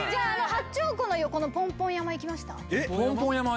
八丁湖の横のポンポン山行きました？